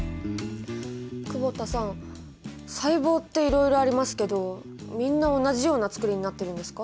久保田さん細胞っていろいろありますけどみんな同じようなつくりになってるんですか？